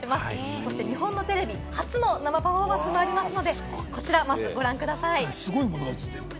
そして日本のテレビ初の生パフォーマンスもありますので、こちらをまずご覧ください。